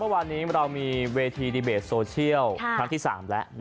วันนี้เรามีเวทีดีเบตโซเชียลครั้งที่๓แล้ว